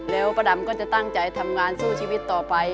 แล้วป้าดำก็จะตั้งใจทำงานสู้ชีวิตต่อไป